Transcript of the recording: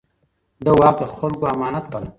ده واک د خلکو امانت باله.